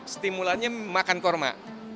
stimulannya makan korma